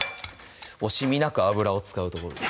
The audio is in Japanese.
惜しみなく油を使うところです